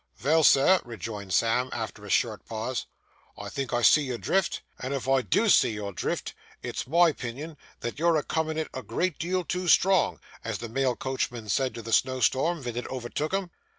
'Vell, sir,' rejoined Sam, after a short pause, 'I think I see your drift; and if I do see your drift, it's my 'pinion that you're a comin' it a great deal too strong, as the mail coachman said to the snowstorm, ven it overtook him.